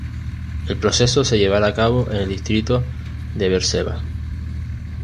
El proceso se llevará a cabo en el distrito de Beerseba.